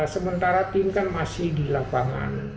sementara tim kan masih di lapangan